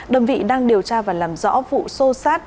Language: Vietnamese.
đồng vị đang điều tra và làm rõ vụ xô xát